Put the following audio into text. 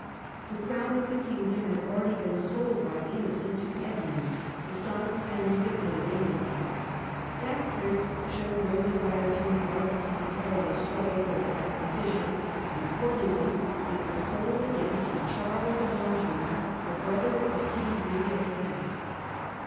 The Crown of the Kingdom had already been sold by Innocent to Edmund, the son of Henry III of England. That Prince showed no desire to embark upon a perilous struggle for its acquisition, and accordingly it was sold again to Charles of Anjou, the brother of King Louis of France.